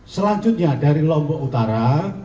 selanjutnya dari lombok utara